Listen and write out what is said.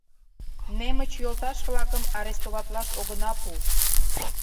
- Немыч йолташ-влакым арестоватлаш огына пу!